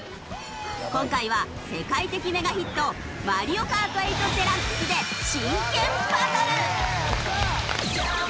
今回は世界的メガヒット『マリオカート８デラックス』で真剣バトル！